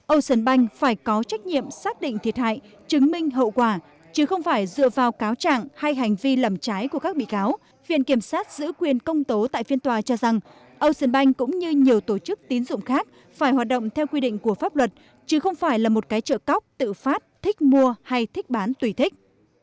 ocean bank phải có trách nhiệm xác định thiệt hại chứng minh hậu quả chứ không phải dựa vào cáo trạng hay hành vi làm trái của các bị cáo viện kiểm sát giữ quyền công tố tại phiên tòa cho rằng ocean bank cũng như nhiều tổ chức tín dụng khác phải hoạt động theo quy định của pháp luật chứ không phải là một cái trợ cóc tự phát thích mua hay thích bán tùy thích